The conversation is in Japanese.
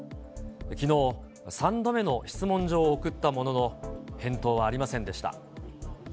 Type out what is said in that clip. きのう、３度目の質問状を送ったものの、返答はありませんでした。